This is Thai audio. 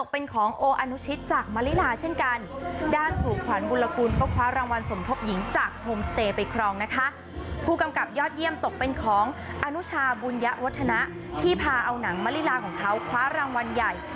เป็นของอนุชาบุญยะวัฒนะที่พาเอาหนังมะลิลาของเขาคว้ารางวัลใหญ่